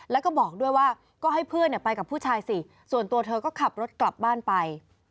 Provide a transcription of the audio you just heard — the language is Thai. แล้วก็บอกด้วยว่าก็ให้เพื่อนไปกับผู้ชายสิส่วนตัวเธอก็ขับรถกลับบ้านไป